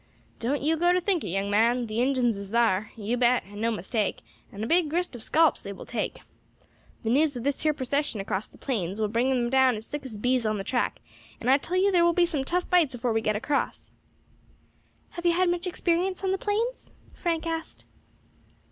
"Don't you go to think it, young man; the Injins is thar, you bet, and no mistake, and a big grist of scalps they will take. The news of this here percession across the plains will bring them down as thick as bees on the track, and I tell you there will be some tough fights afore we get across." "Have you had much experience of the plains?" Frank asked.